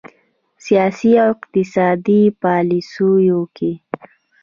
سیاسي او اقتصادي پالیسیو کې